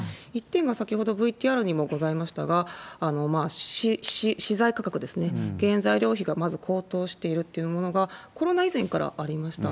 １点が、先ほどＶＴＲにもございましたが、資材価格ですね、原材料価格がまず高騰しているというのがコロナ以前からありました。